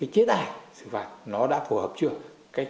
chế tài xử lý và nó đã phù hợp chưa